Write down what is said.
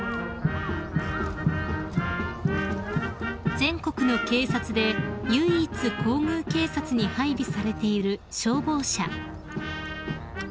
［全国の警察で唯一皇宮警察に配備されている消防車］